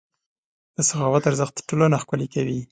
د سخاوت ارزښت ټولنه ښکلې کوي.